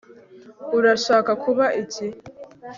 urashaka kuba iki